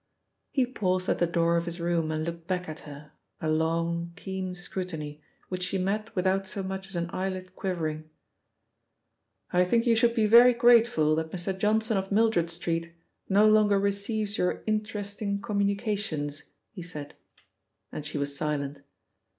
He paused at the door of his room and looked back at her, a long, keen scrutiny, which she met without so much as an eyelid quivering. "I think you should be very grateful that Mr. Johnson, of Mildred Street, no longer receives your interesting communications," he said, and she was silent.